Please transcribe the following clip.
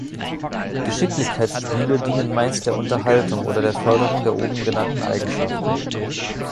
Geschicklichkeitsspiele dienen meist der Unterhaltung oder der Förderung der oben genannten Eigenschaften.